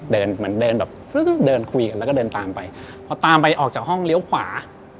เดินคุยกันแล้วก็เดินตามไปพอตามไปออกจากห้องเลี้ยวขวา